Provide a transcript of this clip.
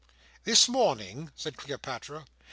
"This morning?" said Cleopatra.